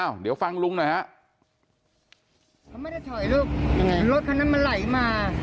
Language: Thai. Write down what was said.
เดี๋ยวฟังลุงหน่อยฮะเขาไม่ได้ถอยลูกยังไงรถคันนั้นมันไหลมา